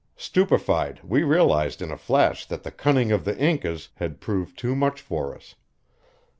Stupefied, we realized in a flash that the cunning of the Incas had proved too much for us.